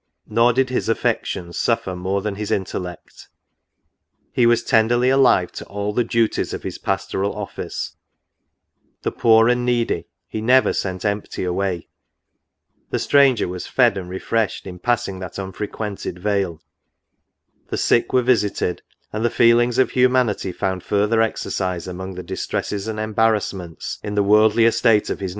Nor did his affections suffer more than his intellect ; he was tenderly alive to all the duties of his pastoral office : the poor and needy " he never sent empty away," — the stranger was fed and refreshed in passing that unfrequented vale, — the sick were visited ; gifd the feelings of humanity found further exercise among the distresses and embarrassments in the worldly estate of his 62 NOTES.